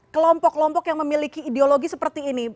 kelompok kelompok yang memiliki ideologi seperti ini